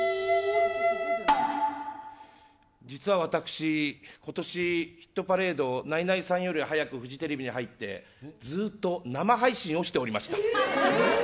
実は私、今年「ヒットパレード」ナイナイさんより早くフジテレビに入って、ずっと生配信をしておりました。